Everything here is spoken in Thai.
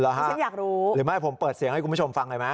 ฉันอยากรู้หรือไม่ผมเปิดเสียงให้คุณผู้ชมฟังเลยไหม